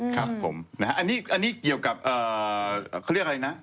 ครับผมนะฮะอันนี้เกี่ยวกับเขาเรียกอะไรนะ